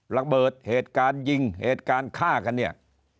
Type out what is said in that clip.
ระเบิดเหตุการณ์ยิงเหตุการณ์ฆ่ากันเนี่ย